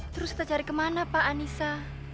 terus kita cari kemana pak anissa